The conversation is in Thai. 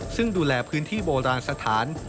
ซึ่งดูแลพื้นที่โบราณสถาน